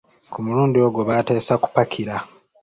Ku mulindi ogwo baateesa kupakira